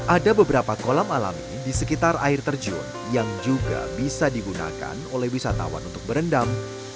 ada beberapa kolam alami di sekitar air terjun yang juga bisa digunakan oleh wisatawan untuk berendam